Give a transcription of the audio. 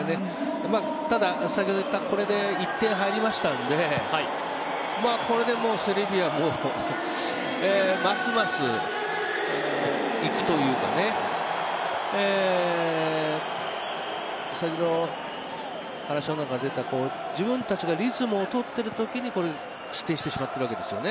ただ、先ほどいったんこれで１点入りましたのでこれでセルビアもますますいくというか話の中で出た自分たちがリズムを取っているときに失点してしまっているわけですよね。